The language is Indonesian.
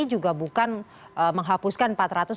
juga bukan menghapuskan